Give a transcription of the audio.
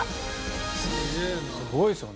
すごいですよね。